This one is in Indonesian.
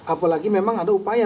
apalagi memang ada upaya